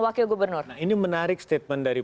wakil gubernur nah ini menarik statement dari